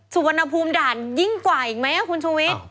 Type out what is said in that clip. สุวรรณภูมิด่านยิ่งกว่าอีกไหมคุณชูวิทย์